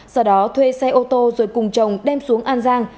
sau đó thuê xe ô tô rồi cùng chồng đem xuống an giang